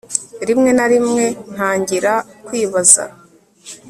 rimwe na rimwe ntangira kwibaza